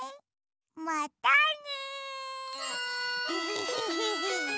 またね。